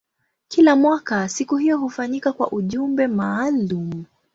Kila mwaka siku hiyo hufanyika kwa ujumbe maalumu.